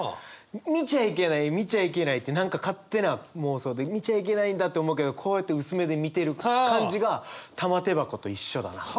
見ちゃいけない見ちゃいけないって何か勝手な妄想で見ちゃいけないんだって思うけどこうやって薄目で見てる感じが玉手箱と一緒だなと。